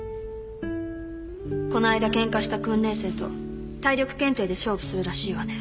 この間ケンカした訓練生と体力検定で勝負するらしいわね。